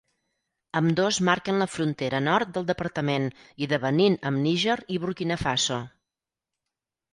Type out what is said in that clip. Ambdós marquen la frontera nord del departament i de Benín amb Níger i Burkina Faso.